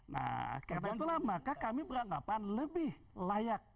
nah karena itulah maka kami beranggapan lebih layak